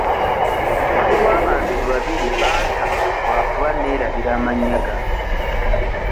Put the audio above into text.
Waliwo abantu babiri bantama lwakuba neerabira amannya gaabwe.